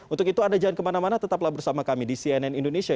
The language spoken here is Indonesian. untuk itu anda jangan kemana mana tetaplah bersama kami di cnn indonesia